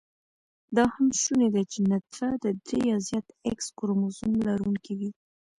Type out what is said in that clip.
دا هم شونې ده چې نطفه د درې يا زیات x کروموزم لرونېکې وي